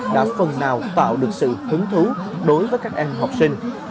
đã phần nào tạo được sự hứng thú đối với các em học sinh